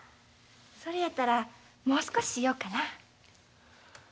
それやったらもう少しいようかな。